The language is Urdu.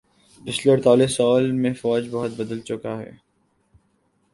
پچھلے اڑتالیس سالہ میں فوج بہت بدلہ چک ہے